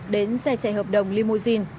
đến xe chạy hợp đồng limousine